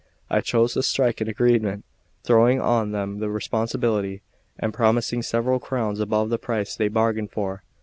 I chose to strike an agreement, throwing on them the responsibility, and promising several crowns above the price they bargained for.